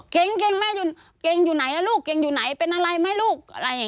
เก่งเก่งแม่อยู่เก่งอยู่ไหนล่ะลูกเก่งอยู่ไหนเป็นอะไรไหมลูก